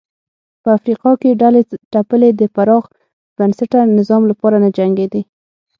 په افریقا کې ډلې ټپلې د پراخ بنسټه نظام لپاره نه جنګېدې.